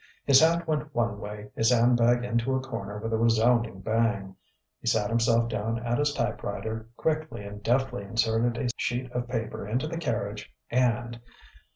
His hat went one way, his handbag into a corner with a resounding bang. He sat himself down at his typewriter, quickly and deftly inserted a sheet of paper into the carriage and